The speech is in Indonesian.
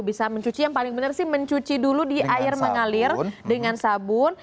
bisa mencuci yang paling benar sih mencuci dulu di air mengalir dengan sabun